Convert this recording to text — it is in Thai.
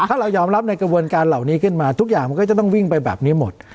ถ้าเรายอมรับในกระบวนการเหล่านี้ขึ้นมาทุกอย่างมันก็จะต้องวิ่งไปแบบนี้หมด